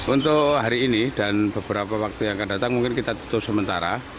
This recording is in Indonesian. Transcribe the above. untuk hari ini dan beberapa waktu yang akan datang mungkin kita tutup sementara